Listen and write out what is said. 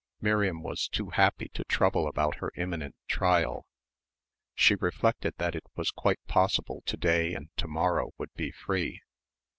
Miriam was too happy to trouble about her imminent trial. She reflected that it was quite possible to day and to morrow would be free.